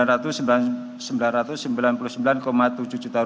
atau hampir satu juta